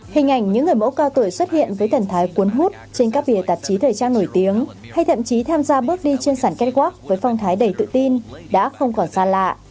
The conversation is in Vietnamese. hình ảnh những người mẫu cao tuổi xuất hiện với thần thái cuốn hút trên các bìa tạp chí thời trang nổi tiếng hay thậm chí tham gia bước đi trên sản catwak với phong thái đầy tự tin đã không còn xa lạ